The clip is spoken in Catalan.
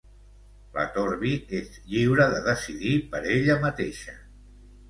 La Torvi és lliure de decidir per ella mateixa.